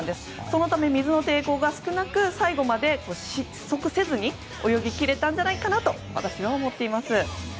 そのため、水の抵抗が少なく最後まで失速せずに泳ぎ切れたんじゃないかなと私は思っています。